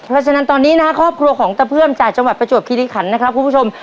เพราะฉะนั้นตอนนี้นะครับครอบครัวของตะเพื่อมจากจังหวัดประจวบคิริขันนะครับคุณผู้ชม